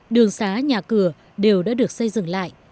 đường xá nhà cửa đều đã được xây dựng lại